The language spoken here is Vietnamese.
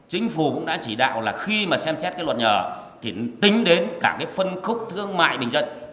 chính phủ cũng đã chỉ đạo là khi mà xem xét cái luật nhà thì tính đến cả cái phân khúc thương mại bình dân